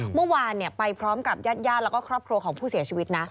เมื่ออ่านไปพร้อมกับหญิการด้านอาวุธและครอบครัวของผู้เสียชีวิต